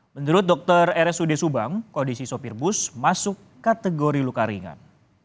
menurut dokter rsud subang kondisi sopir bus masuk kategori luka ringan